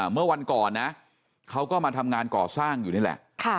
เมื่อวันก่อนนะเขาก็มาทำงานก่อสร้างอยู่นี่แหละ